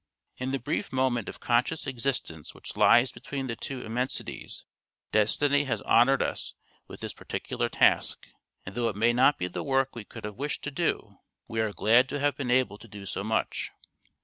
In the brief moment of conscious existence which lies between the two immensities Destiny has honoured us with this particular task, and though it may not be the work we could have wished to do, we are glad to have been able to do so much.